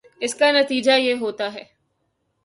اس کا نتیجہ یہ ہوتا ہے